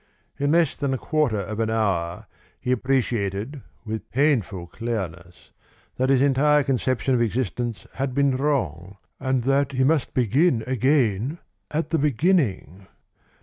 In less than a quarter of an hour he appreciated with painful clearness that his entire conception of existence had been wrong, and that he must begin again at the beginning.